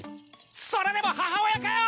それでも母親かよ！